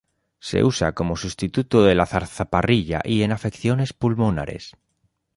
Se usa como sustituto de la zarzaparrilla y en afecciones pulmonares.